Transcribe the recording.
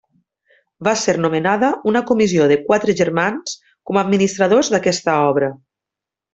Va ser nomenada una comissió de quatre germans com a administradors d'aquesta obra.